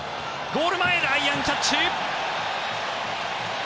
ゴール前、ライアンキャッチ！